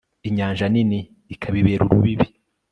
inyanja nini ikabibera urubibi